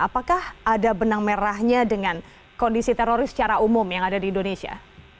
apakah ada benang merahnya dengan kondisi teroris secara umum yang ada di indonesia